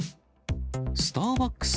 スターバックス